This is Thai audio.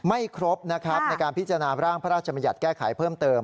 ไม่ครบนะครับในการพิจารณาร่างพระราชมัญญัติแก้ไขเพิ่มเติม